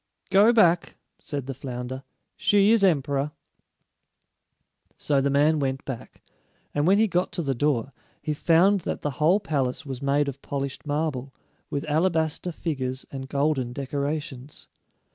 "Go back," said the flounder. "She is emperor." So the man went back, and when he got to the door, he found that the whole palace was made of polished marble, with alabaster figures and golden decorations.